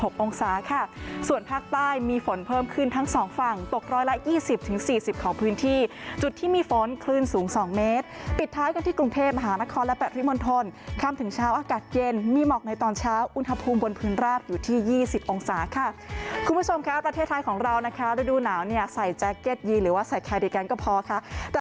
มันทนคำถึงเช้าอากาศเย็นมีหมอกในตอนเช้าอุณหภูมิบนพื้นราบอยู่ที่๒๐องศาค่ะคุณผู้ชมครับประเทศไทยของเรานะคะดูหนาวเนี่ยใส่แจ็คเก็ตยีหรือว่าใส่คาเดียกันก็พอค่ะ